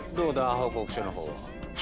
報告書の方は。